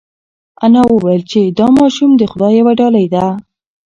انا وویل چې دا ماشوم د خدای یوه ډالۍ ده.